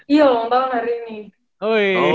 iya long tahun hari ini